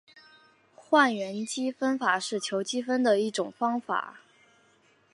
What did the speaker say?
换元积分法是求积分的一种方法。